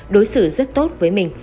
đối xử rất tốt với mình